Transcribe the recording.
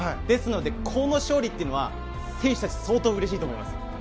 ですのでこの勝利というのは選手たちは相当うれしいと思います。